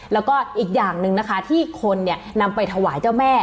แล้วก็อีกอย่างหนึ่งนะคะที่คนนำไปถวายเจ้าแม่